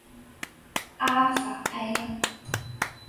阿法埃娅。